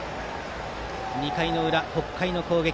２回の裏、北海の攻撃。